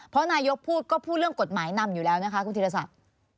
เพราะนายกพูดก็พูดเรื่องกฎหมายนำอยู่แล้วนะคะคุณธีรศักดิ์